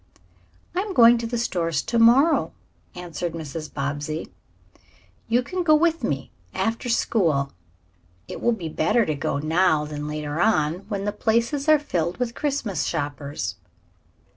"I am going to the stores to morrow," answered Mrs. Bobbsey. "You can go with me, after school. It will be better to go now than later on, when the places are filled with Christmas shoppers."